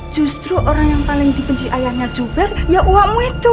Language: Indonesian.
justru orang yang paling dipenci ayahnya juber ya uamu itu